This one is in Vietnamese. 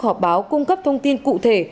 họp báo cung cấp thông tin cụ thể